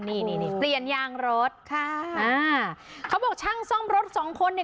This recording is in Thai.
นี่นี่เปลี่ยนยางรถค่ะอ่าเขาบอกช่างซ่อมรถสองคนเนี่ย